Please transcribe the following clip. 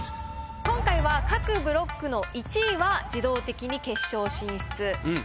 今回は各ブロックの１位は自動的に決勝進出。